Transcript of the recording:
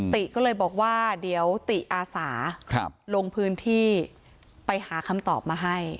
ติก็เลยบอกว่าเดี๋ยวติอาสาลงพื้นที่ไปหาคำตอบมาให้